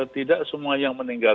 tidak semua yang meninggal